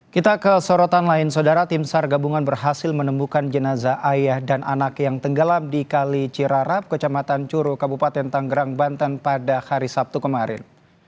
kita ke sorotan lain saudara tim sar gabungan berhasil menemukan jenazah ayah dan anak yang tenggelam di kali cirarap kecamatan curu kabupaten tanggerang banten pada hari sabtu kemarin